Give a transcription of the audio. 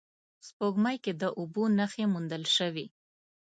سپوږمۍ کې د اوبو نخښې موندل شوې